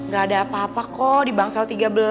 gak ada apa apa kok di bangsal tiga belas